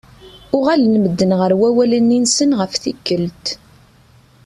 Uɣalen medden ɣer wawal-nni-nsen ɣef tikelt.